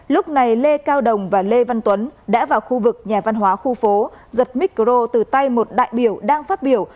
lúc này lê cao đồng và lê văn tuấn đã vào khu vực nhà văn hóa khu phố giật micro từ tay một đại biểu đang phát biểu